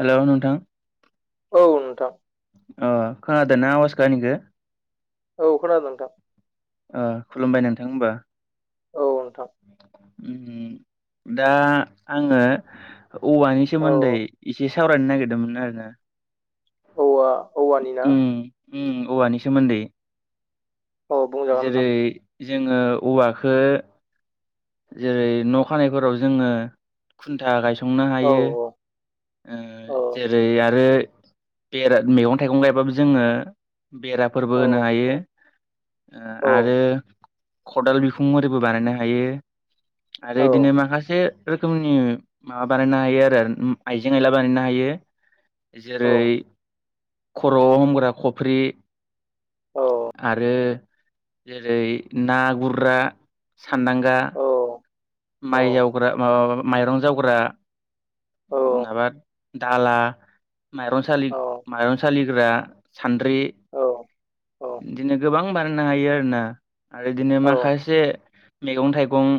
हेल' नोंथां। औ नोंथां। ओ खोनादो ना आवासखो आंनिखो। औ खोनादों नोंथां। ओ खुलुमबाय नोंथां होमबा औ नोंथां उम दा आङो औवानि औ सोमोन्दै एसे सावरायनो नागिरदोंमोन आरोना। औवा औवानि ना? उम उम औवानि सोमोन्दै। औ बुंजागोन नोंथां जेरै जोङो औवाखो जेरै न' खानायफोराव जोङो खुन्था गाय संनो औ हायो ओ औ जेरै आरो बेराद मैगं थाइगं गायबाबो जोङो औ बेराफोरबो होनो हायो ओ औ आरो ख'दाल बिखुंआरिबो बानायनो हायो। आरो औ इदिनो माखासे रोखोमनि माबा बानायनो हायो आरो आइजें आयला बानायनो हायो। औ जेरै खर'आव हमग्रा खफ्रि औ आरो जेरै ना गुरग्रा सानदांगा औ औ माइ जावग्रा माबाबा माइरं जावग्रा। औ माबा दाला माइरं सालि, औ माइरं सालिग्रा सान्द्रि। औ बिदिनो गोबां बानायनो हायो आरोना आरो इदिनो औ माखासे मैगं थाइ गं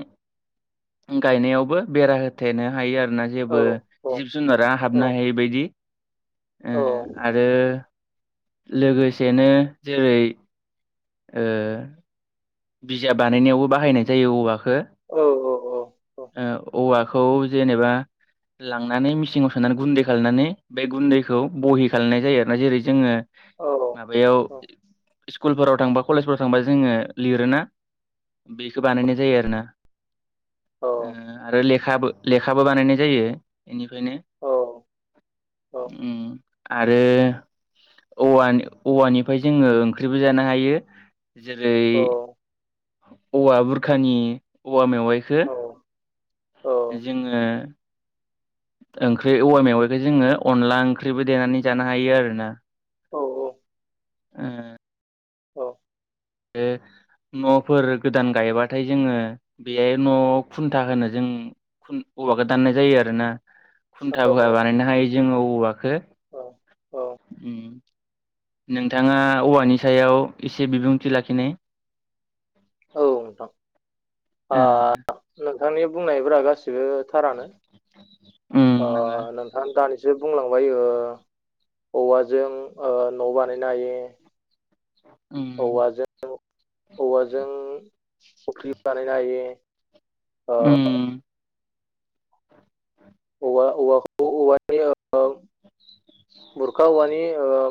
गायनायावबो बेरा होथेनो हायो आ ना जेबो जिब जुनारा औ हाबनो हायै बायदि ओ आरो लोगोसेनो जेरै ओ बिजाब बानायनायावबो बाहायनाय जायो औवाखौ औ-औ औ-औ ओ औवाखौ जेनेबा लांनानै मिसिङाव सोनानै गुन्दै खालामनानै बे गुन्दैखौ बहि खालामनाय जायो आरोना जेरै जोङो माबायाव स्कुलफोराव थांबा कलेजफ्राव थांबा जोङो लिरोना बेखौ बानायनाय जायो आरोना औ ओ आरो लेखाबो-लेखाबो बानायनाय जायो बेनिफ्रायनो औ उ आरो औवानि औवानिफ्राय जोङो ओंख्रिबो जानो हायो जेरै औवा बुरखानि औवा मेवाइखौ जोङो ओंख्रि औवा मेवाखौ जोङो अनला ओंख्रिबो देनानै जानो हायो आरोोना ओ ओ न'फोर गोदान गायबाथाय जोङो बेहाय न'आव खुन्था होनो जों खुन औवाखौ दान्नाय जायो आरो ना खुन्थाबो बानायनो हायो जोङो औवाखौ उ नोंथाङा औवानि सायाव एसे बिबुंथि लाखिनाय औ नोंथां ओ नोंथांनि बुंनायफोरा गासिबो थारानो उम ओ नोङो नोंथां दानि सो बुंलांबाय ओ औवाजों ओ न' बानायनो हायो उम औवाजों औवाजों ख्फ्रि बानायनो हायो ओ उम औवा-औवाखौ औवानि ओ बुरखा औवानि ओ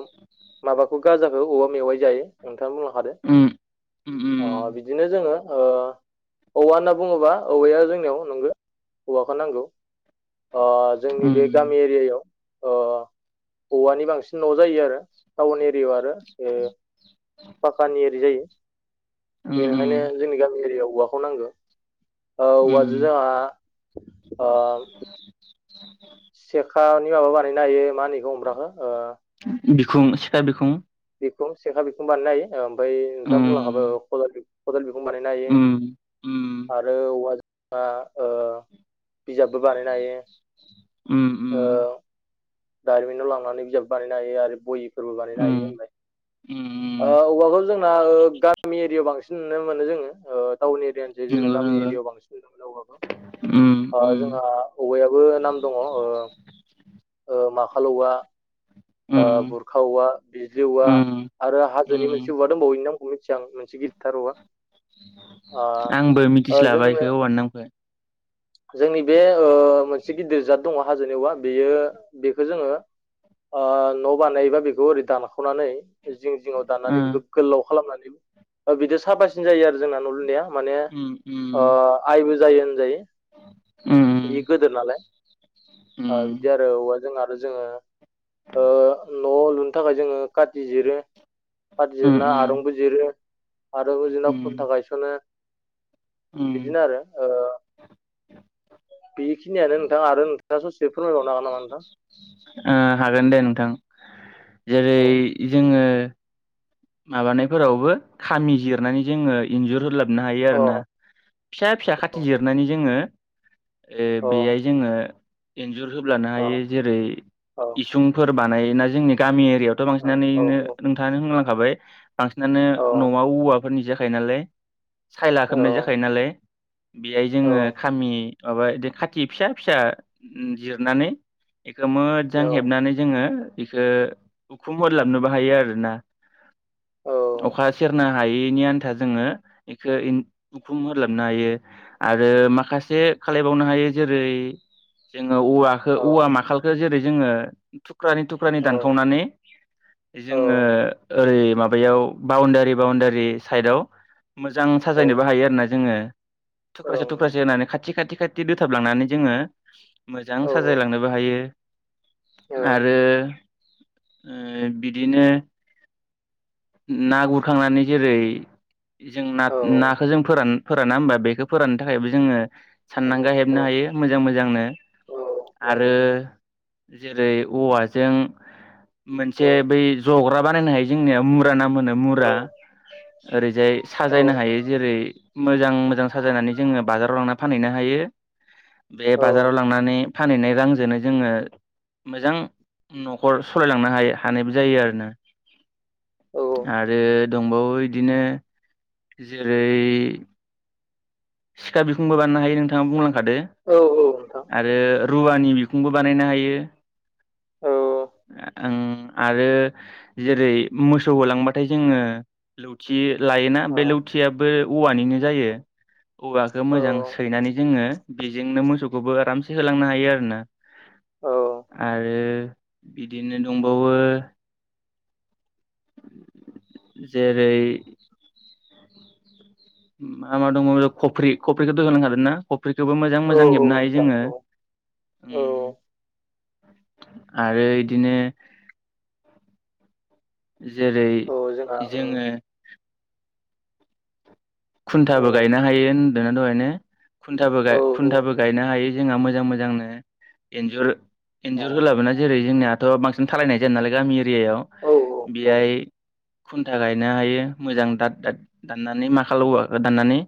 माबाखौ गाजाखौ औवा मेवाइ जायो उ उम उम [unintelligible] अ बिदिनो जोङो औवा औवा होनना बुङोबा औवाया जोंनियाव नंगौ औवाखौ नांगौ ओ जोंनि बे उम गामि एरियायाव अ औवानि बांसिन न जायो आरो टाउन एर [unintelligible] आरो फाक्कानि एरि जायो उम बेनिखायनो जोंनि गामि एरियायाव औवाखौ नांगौ ओ औवाजों उम जोंहा अ [unintelligible] [inaudible] सेखानि माबा बानायनो हायो मा होनो बे हमग्राखौ ओ बिखुं सिखा बिखुं बेखौ सेखा बिखुं बानायनो हायो ओमफाय नोंथाङा बुंलांखाबाय उम [unintelligible] खदाल बिखुं बानायनो हायो उम उम आरो औवाजों आ ओ बिजाबबो बानायनो हायो उ उ ओ दारिमिनाव लांनानै बिजाब बानायनो हायो आरो बयि फोरबो बानायनो हायो उम होनबाय उम ओ औवाखौ जोंना गामि एरियायाव बांसिन बांसिन नुनो मोनो जोङो ओ टाउन एरियानोसै जोंना नंगौ गामि नंगौ एरियाव बांसिन नुनो मोनो औवाखौ उम ओ उम जोंहा औवायाबो नाम दङ माखालौवा ओ उम बुरखा औवा बिज्लि औवा उम आरो हाजोनि उम मोनसे औवा दंबावै इनि नाम मिथिया आं मोनसे गिदिरथार वा आंबो मिथिस्लाबा जोंनो इखौ औवानि नामखौ जोंनि बे ओ मोनसे गिदिर जात दङ हाजोनि औवा बेयो बेखौ जोङो ओ न बानायोबा बेखौ ओरै दानखनानै जिं जिङाव दाननानै बेखौ उम गोलाव खालामनानै बिदि साबासिन जायो आरो जोंना न लुनाया माने उम उम ओ आइबो जायो होनजायो बि उम गोदोर नालाय [inaudible] ओ बिदि उम आरो औवा जों आरो जोङो [inaudible] ओ न' लुनो थाखाय जोङो काथि जिरो खाथि उम जिरना आरुंबो जिरो आरंबो जिरना खुन्था उम गायसनो। [inaudible] उम बिदिनो आरो ओ बेखिनियानो नोंथां आरो नोंथाङा ससे फोरमायबावनो हागोन नामा नोंथां? ओ हागोन दे नोंथां जेरै औ जोङो माबानायफोरावबो खामि जिरनानै जोङो इन्जुर होलाब नो हायो औ आरोना फिसा फिसा खाथि जिरनानै जोङो ए औ बेआय जोङो एन्जुर होब्लानो औ हायो जेरै औ इसुंफोर बानायोना जोंनि गामि एरियायावथ बांसिनानो औ औ नोंथाङानो होनलांखाबाय बांसिनानो औ न'आव औवाफोरनि जाखायो नालाय सायला औ खोबनाय जाखायो नालाय। बेआय औ जोङो खामि माबा बिदिनो खाथि फिसा फिसा जिरनानै एखो मोजां हेबनानै जोङो बेखो उखुम हरलाबनोबो हायो आरो ना। ओ अखा सेरनो हायैनि आन्था जोङो एखो उखुम ओलाबनो हायो आरो ओ माखासे खालायबावनो हायो जेरै जोङो औवाखौ औ ओं औ औवा माखालखौ जेरै जोङो थुख्रानै थुख्रानै औ दानखावनानै जोङो औ ओरै माबायाव बाउण्डारि बाउण्डारि साइडआव मोजां साजायनोबो औ औ हायो आरोना जोङो। औ थुख्रासे थुख्रासे होनानै खाथि खाथि खाथि दोथाबलांनानै जोङो मोजां साजायलांनोबो हायो। [inaudible] आरो [inaudible] ओ बिदिनो ना गुरखांनानै जेरै जों नाग- नाखौ जों फोरान-फोराना होमबा बेखौ फोराननो थाखायबो जोङो साननांगा हेबनो हायो मोजां मोजांनो। आरो जेरै औवाजों मोनसे औ बै ज'ग्रा बानायनो हायो जोंनिया मुरा नाम होनो मुरा औ ओरैजाय साजायनो हायो जेरै- मोजां मोजां साजायनानै जोङो बाजाराव लांनानै फानहैनो हायो। बे बाजाराव लांनानै फानहैनाय रांजोंनो जोङो मोजां न'खर सालायलांनो हा- हानायबो जायो आरोना। औ आरो दंबावो बिदिनो जेरै सिखा बिखुंबो बानायनो हायो नोंथा बुंलांखादो औ नोंथां [inaudible] आरो रुवानि बिखुंबो बानायनो हायो। औ आं आरो जेरै मोसौ होलांबाथाय जोङो लौथि लायोना बे औ लौथियाबो औवानिनो जायो। औवाखौ औ मोजां सैनानै जोङो बेजोंनो मोसौखौबो आरामसे होलांनो हायो आरोना। आरो इदिनो दंबावो जेरै मा मा दङ' खफ्रि, खफ्रिखौथ' होनलांखादों ना? फ्रिखौबो मोजां औ मोजां हेबनो हायो नोंथां जोङो। औ औ उम [inaudible] आरो इदिनो [inaudible] जेरै औ जोंहा ओ जोङो खुन्थाबो गायनो हायो होनदोंना दहायनो? खुन्थाबो औ गाय- औ खुन्थाबो गायनो हायो जोंहा मोजां मोजांनो एन्जुर अ, एन्जुर होलाबोना जेरै जोंनियाथ' बांसिन थालायनाय जाया नालाय गामि एरियायाव औ औ बेहाय खुन्था गायनो हायो मोजां दाथ दाथ दाननानै माखा हालौवा गोदाननानै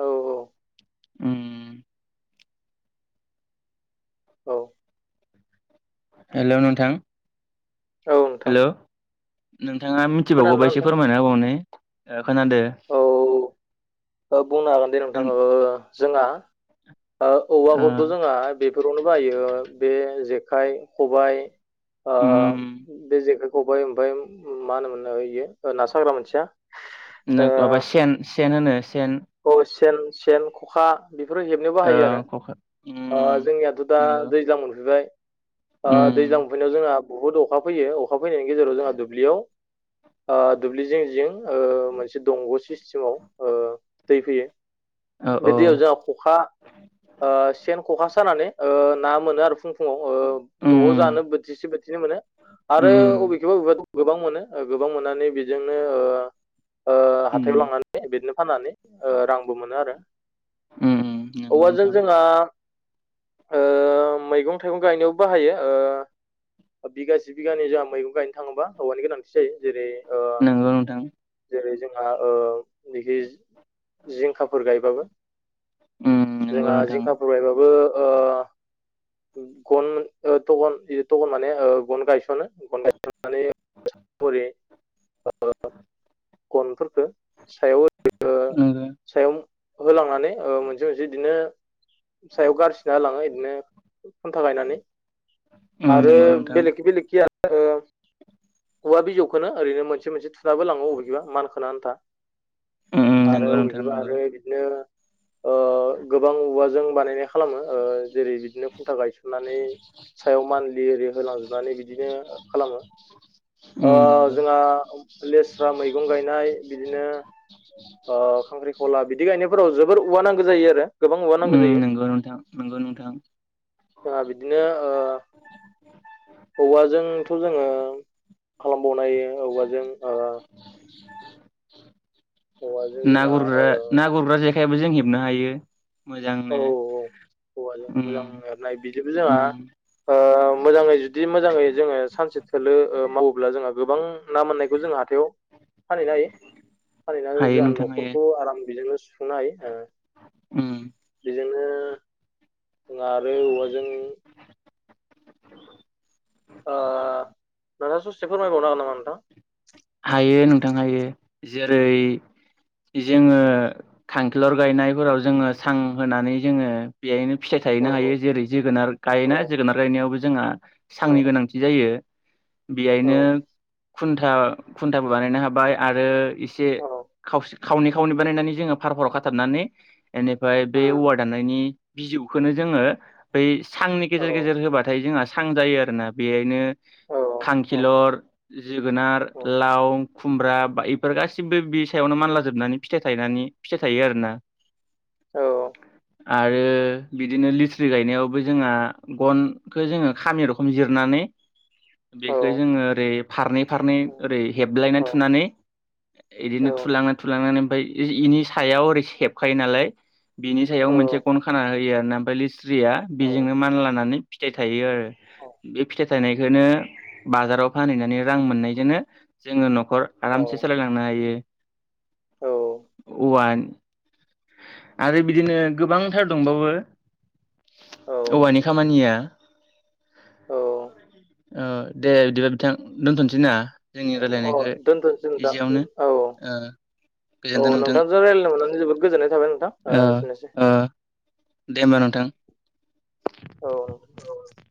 औ [inaudible] उम औ हेलौ नोंथां औ नोंथां हेलौ नों थाङा मिथिबावगौ बा खोनादोंना एसे नोंथां फोरमायना होबाव नाय ओ खोनादो औ [inaudible] बुंनो हागोन दे नोंथां नों ओ जोंहा ओ ओ औवाखौथ' जोंहा बेफोरावनो बाहायो बे जेखाइ, खबाइ ओ उम बे जेखाइ- खबाइ ओमफाय मा होनोमोन ओ इयो ओ ना साग्रा मोनसेया? ओ, नोक माबा सेन, सेन होनो सेन। औ सेन, सेन, ख'खा बेफोरो हेबनायाव ओ बाहायो आरो। खखा ओ उम जोंनियाथ' दा नंगौ दैज्लां मोनफैबाय ओ उम दैज्लां मोनफैनायाव जोंहा बुहुद अखा फैयो, अखा फैनायनि गेजेराव जोंहा दुब्लियाव ओ दुब्लि जिं जिं ओ मोनसे दंग' सिस्टेमाव ओ दै फैयो औ बे औ दैयाव जोंहा खखा, ओ सेन ख'खा सानानै ओ ना मोनो आरो फुं- फुङाव ओ न'आव उम जानो बोथिसे बोथिनै मोनो आरो उम अबेखैबा अबेखैबाथ' गोबां मोनो, ओ गोबां मोननानै बेजोंनो ओ ओ हाथायाव उम लांनानै बिदिनो फाननानै ओ रांबो मोनो आरो, उम नंगौ औवाजों नोंथां जोंहा ओ मैगं-थाइगं गायनायावबो बाहायो ओ बिगासे बिगानै जोंहा मैगं गायनो थाङोबा औवानि गोनांथि जायो। जेरै नोंगौ नोंथां। बा ओ बिखि जिंखाफोर गायबाबो उम नंगौ जोंहा नोंथां जिंखाफोर गायबाबो ओ गन ओ त'गन ओ त'गन माने ओ गन गायसनो गन गायसननानै हरै ओ गनफोरखो सायाव होनानै ओ नंगौ सायाव होलांनानै ओ मोनसे मोनसे इदिनो सायाव गारसिना होलाङो इदिनो खुन्था गायनानै उम आरो नंगौ नोंथां बेलेगखि बेलेगखि आरो ओ औवा बिजौखोनो ओरैनो मोनसे मोनसे थुुनाबो होलाङो अबेखैबा मानखोनो आन्था। उम उम आरो नंगौ नोंथां अबेखिबा नंगौ आरो इदिनो ओ गोबां औवाजों बानायनाय खालामो। ओ जेरै बिदिनो खुन्था गायसननानै सायाव मान्दलि ओरै होलांजोबनानै बिदिनो खालामो। ओ उम नंगौ जोंहा लेस्रा मैगं गायनाय बिदिनो ओ खांख्रिख'ला बिदि गायनायफोराव जोबोर उवा नांगौ जायो आरो। गोबां औवा उम नांगौ जायो नोंगौ नोंथां, नोंगौ नोंथां। जोंहा बिदिनो ओ औवाजोंथ' जोङो खालामबावनो हायो औवाजों ओ औवाजों ना जोंहा ओ गुरग्रा ना गुरग्रा जेखायबो जों हेबनो हायो औ मोजांनो। औवाजों मोजां उम एरनाय बिदिबो जोंहा उम ओ मोजाङै जुदि मोजाङै जोङो सानसे थोलो ओ मावोब्ला जोंहा गोबां ना मोननायखौ जों हाथायाव फानहैनो हायो। फानहैनानै हायो जोंहा नोंथां हायो न'खरखौ आराम बेजोंनो खुंनो हायो ओ उम बेजोंनो जोंहा आरो औवाजों ओ नोंथाङा ससे फोरमायबावनो हागोन नामा नोंथां? हायो नोंथां हायो औ जेरै- जोङो खांखिलर गायनायफोराव जोङो सां होनानै जोङो बेहायनो फिथाइ औ थायहोनो हायो। जेरै जोगोनार औ गायोना जोगोनार गायनायावबो जोंहा सांनि गोनांथि जायो। औ बेयायनो खुन्था खुन्थाबो बानायनो हाबाय आरो एसे औ खावसे खावनै खावनै बानायनानै जोङो फार- फाराव खाथाबनानै बेनिफ्राय बे उम औवा दाननायनि बिजौखोनो जोङो बै सांनि औ गेजेर गेजेर होबाथाय जोंहा सां जायो आरो ना बेहायनो औ औ खांखिलर, जोगोनार, औ लाउ, खुमब्रा बे-इफोर गासिबो बि सायावनो मानला जोबनानै फिथाइ थायनानै फिथाइ थायो आरो ना। औ आरो बिदिनो लिथ्रि गायनायावबो जोंहा गनखौ जोंङो खामि रोखोम जिरना नै औ बेखौ जोंङो ओरै फारनै फारनै ओरै औ हेबलायनानै थुनानै बिदिनो थुलांनानै थुलांनानै ओमफाय इनि सायाव ओरै हेबखायो नालाय बिनि सायाव मोनसे गन खाना होयो आर ना ओमफ्राय लिस्रिया बेजोंनो मान लानानै फिथाइ थायो आरो बे फिथाइ थाइनायखौनो बाजाराव फानहैनानै रां मोननायजोंनो जोङो नखर आरामसे सालायलांनो हायो। औ औवान आरो बिदिनो गोबांथार दंबावो। औ औवानि खामानिया औ दे दो बिथां दोनथनोसै ना? जोंनि औ रायलायनायखौ दोनथ'सै नोंथां एसेयावनो औ ओ औ गोजोनथों नोंथां नोंथांजों रायलनो मोननानै जोबोद गोजोननाय थाबाय नोंथां ओ एसेनोसै ओ दे होमबा नोंथां औ [inaudible]